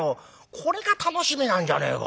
これが楽しみなんじゃねえか。